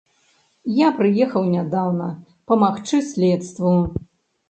Я прыехаў нядаўна, памагчы следству.